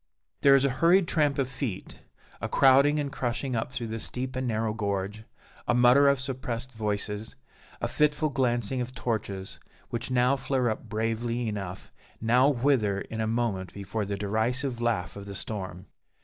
There is a hurried tramp of feet, a crowding and crushing up through the steep and narrow gorge, a mutter of suppressed voices, a fitful glancing of torches, which now flare up bravely enough, now wither in a moment before the derisive laugh of the storm.